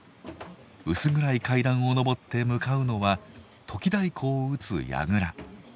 薄暗い階段を上って向かうのは時太鼓を打つ櫓。